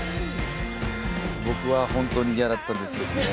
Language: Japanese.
僕は本当に嫌だったんですけどね。